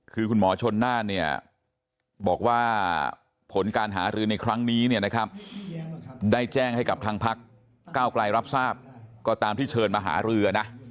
คือคุณหมอชนน่านเนี่ยบอกว่าผลการหารือในครั้งนี้เนี่ยนะครับได้แจ้งให้กับทางพักเก้าไกลรับทราบก็ตามที่เชิญมาหารือนะ